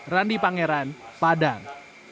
randi pangeran padang